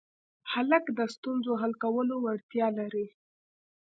هلک د ستونزو حل کولو وړتیا لري.